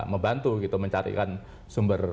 membantu gitu mencarikan sumber